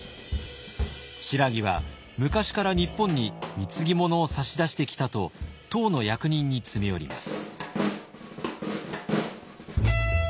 「新羅は昔から日本に貢ぎ物を差し出してきた」と唐の役人に詰め寄ります。